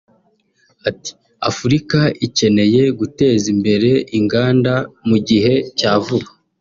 Ati “Afurika ikeneye guteza imbere inganda mu gihe cya vuba